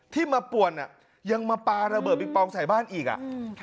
ที่มาป่วนอ่ะยังมาปลาระเบิดปิงปองใส่บ้านอีกอ่ะ